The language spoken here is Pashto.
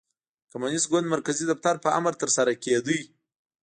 د کمونېست ګوند مرکزي دفتر په امر ترسره کېده.